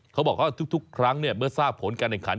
เขาบอกว่าทุกครั้งเมื่อทราบผลการแข่งขัน